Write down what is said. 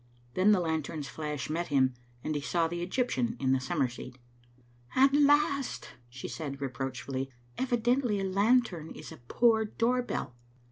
Then the lantern's flash met him, and he saw the Egyptian in the summer seat "At last!" she said, reproachfully. "Evidently a lantern is a poor door bell."